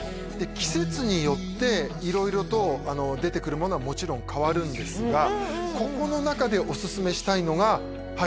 季節によって色々と出てくるものはもちろん変わるんですがここの中でおすすめしたいのがはい